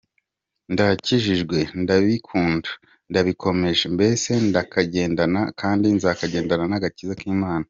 ndakijijwe, ndabikunda, ndabikomeje, mbese ndakagendana kandi nzakagendana agakiza k’Imana.